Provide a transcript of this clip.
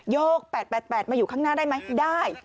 ก๘๘มาอยู่ข้างหน้าได้ไหมได้